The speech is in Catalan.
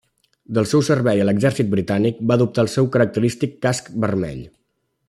Del seu servei a l'exèrcit britànic, va adoptar el seu característic casc vermell.